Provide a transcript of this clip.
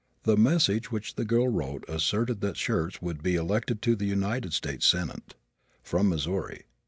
The message which the girl wrote asserted that Schurz would be elected to the United States senate from Missouri.